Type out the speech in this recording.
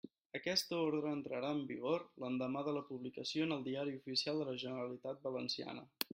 Aquesta orde entrara en vigor l'endemà de la publicació en el Diari Oficial de la Generalitat Valenciana.